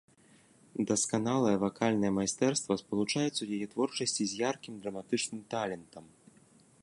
Дасканалае вакальнае майстэрства спалучаецца ў яе творчасці з яркім драматычным талентам.